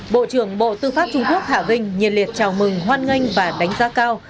bộ trưởng bộ tư pháp trung quốc hạ vinh nhiệt liệt chào mừng hoan nghênh và đánh giá cao